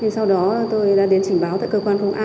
sau đó tôi đã đến trình báo tại cơ quan phòng